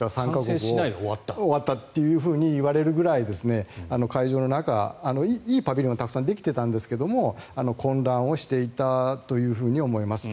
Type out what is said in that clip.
完成しないで終わったと言われるぐらい会場の中、いいパビリオンはたくさんできていたんですが混乱していたというふうに思います。